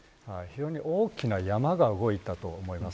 非常に大きな山が動いたと思います。